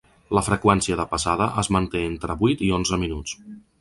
La freqüència de passada es manté en entre vuit i onze minuts.